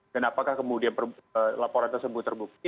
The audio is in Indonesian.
dan apakah kemudian laporan tersebut terbukti